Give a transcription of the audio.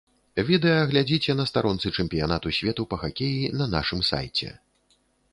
Відэа глядзіце на старонцы чэмпіянату свету па хакеі на нашым сайце.